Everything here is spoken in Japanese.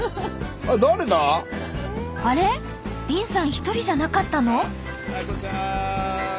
一人じゃなかったの？